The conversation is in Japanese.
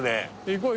行こう